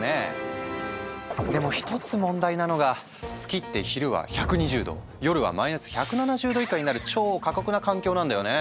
でも一つ問題なのが月って昼は１２０度夜はマイナス１７０度以下になる超過酷な環境なんだよね。